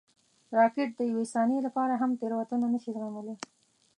راکټ د یوې ثانیې لپاره هم تېروتنه نه شي زغملی